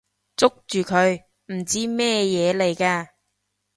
捉住佢！唔知咩嘢嚟㗎！